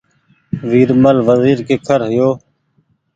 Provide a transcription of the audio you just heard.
ويرمل وزيرڪيکرهيو